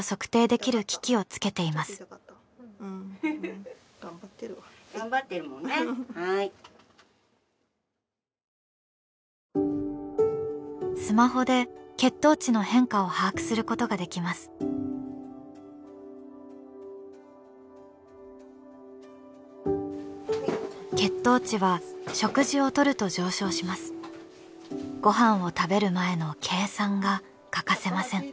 ご飯を食べる前の計算が欠かせません。